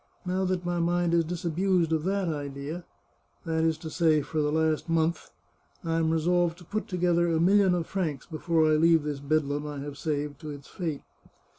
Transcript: Now that my mind is dis abused of that idea — that is to say, for the last month — I am resolved to put together a million of francs before I leave this Bedlam I have saved, to its fate.